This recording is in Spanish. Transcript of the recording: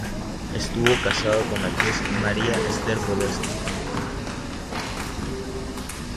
Estuvo casado con la actriz María Esther Podestá.